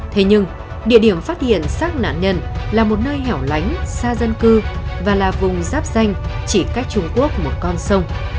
thế nhưng địa điểm phát hiện xác nạn nhân là một nơi hẻo lánh xa dân cư và là vùng giáp danh chỉ cách trung quốc một con sông